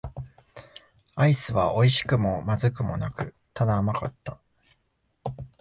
アイスは美味しくも不味くもなく、ただ甘かった。